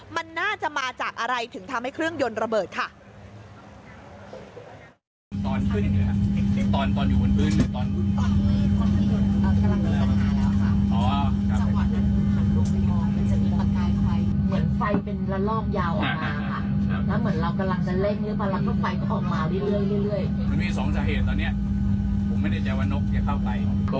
มันน่าจะมาจากอะไรถึงทำให้เครื่องยนต์ระเบิดค่ะ